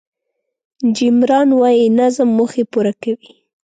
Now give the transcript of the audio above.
جیم ران وایي نظم موخې پوره کوي.